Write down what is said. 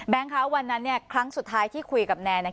แบงค์ครับวันนั้นเนี้ยครั้งสุดท้ายที่คุยกับแนนเนี้ย